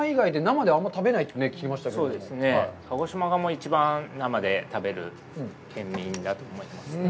鹿児島が一番生で食べる県民だと思います。